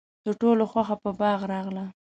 د ټولو خوښه په باغ راغله.